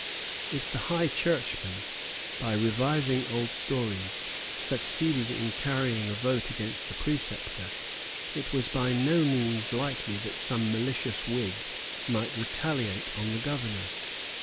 If the High Churchmen, by reviving old stories, succeeded in carrying a vote against the Preceptor, it was by no means unlikely that some malicious Whig might retaliate on the Governor.